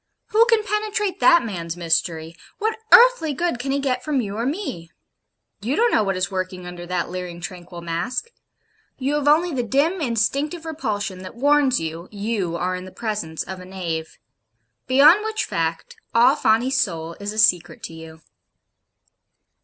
Who can penetrate that man's mystery? What earthly good can he get from you or me? You don't know what is working under that leering tranquil mask. You have only the dim instinctive repulsion that warns you, you are in the presence of a knave beyond which fact all Fawney's soul is a secret to you.